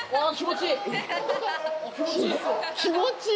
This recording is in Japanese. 気持ちいい。